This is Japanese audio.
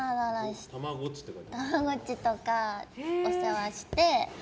たまごっちとかお世話して。